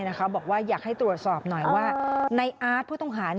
บอกว่าอยากให้ตรวจสอบหน่อยว่าในอาร์ตผู้ต้องหา